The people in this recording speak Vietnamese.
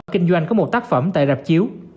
kinh doanh có một tác phẩm tại rạp chiếu